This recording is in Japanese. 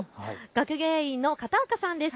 学芸員の片岡さんです。